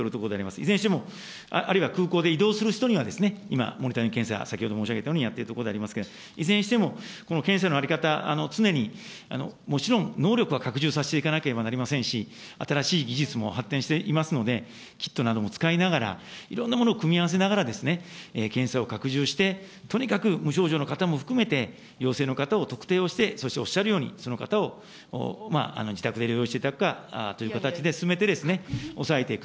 いずれにしても、あるいは空港で移動する人には、今、モニタリング検査、先ほど申し上げたようにやっているところでありますけれども、いずれにしても、この検査の在り方、常にもちろん能力は拡充させていかなければなりませんし、新しい技術も発展していますので、キットなども使いながら、いろんなものを組み合わせながら検査を拡充して、とにかく無症状の方も含めて、陽性の方を特定をして、そしておっしゃるようにその方を自宅で療養していただくかという形で進めて、抑えていく。